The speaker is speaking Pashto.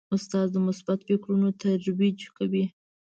استاد د مثبت فکرونو ترویج کوي.